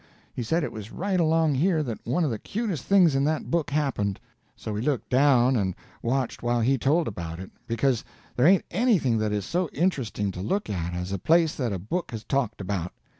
He said it was right along here that one of the cutest things in that book happened; so we looked down and watched while he told about it, because there ain't anything that is so interesting to look at as a place that a book has talked about.